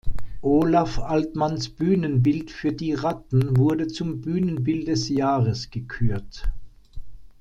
Olaf Altmanns Bühnenbild für "Die Ratten" wurde zum „Bühnenbild des Jahres“ gekürt.